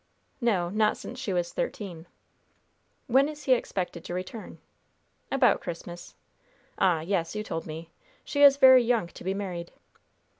"No, not since she was thirteen." "When is he expected to return?" "About Christmas." "Ah, yes! You told me! She is very young to be married."